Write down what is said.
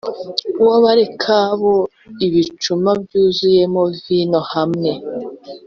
w Abarekabu ibicuma byuzuyemo vino hamwe